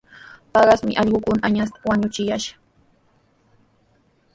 Paqasmi allquukuna añasta wañuchuyashqa.